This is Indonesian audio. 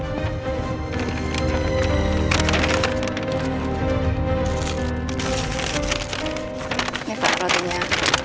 ini pak rotinya